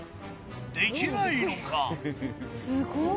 できないのか？